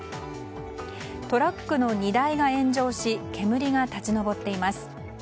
トラックの荷台が炎上し煙が立ち上っています。